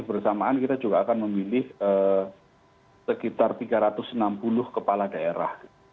bersamaan kita juga akan memilih sekitar tiga ratus enam puluh kepala daerah